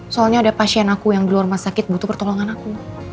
soalnya ada pasien aku yang di luar rumah sakit butuh pertolongan aku